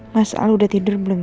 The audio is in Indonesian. mas al udah tidur belum